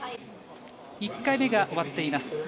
１回目が終わっています。